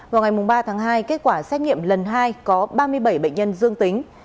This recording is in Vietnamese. vào ngày ba tháng hai kết quả xét nghiệm lần hai có ba mươi bảy bệnh nhân dương tính